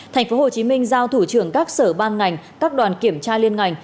tp hcm giao thủ trưởng các sở ban ngành các đoàn kiểm tra liên ngành